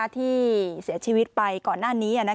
ที่เสียชีวิตไปก่อนหน้านี้